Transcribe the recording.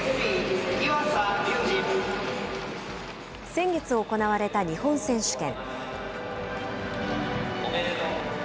先月行われた日本選手権。